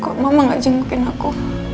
kok mama gak jengukin aku